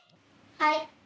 はい。